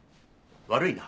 悪いな。